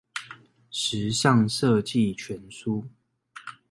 時尚設計全書